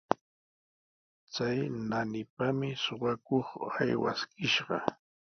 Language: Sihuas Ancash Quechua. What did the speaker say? Chay naanipami suqakuq aywaskishqa.